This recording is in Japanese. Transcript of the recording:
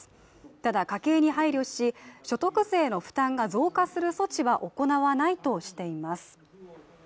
ただ家計に配慮し、所得税の負担が増加する措置は行わないとしています。